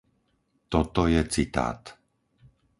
Toto je citát.